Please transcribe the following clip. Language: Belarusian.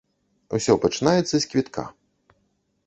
Усё пачынаецца з квітка.